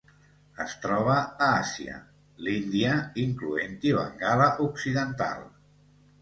Es troba a Àsia: l'Índia, incloent-hi Bengala Occidental.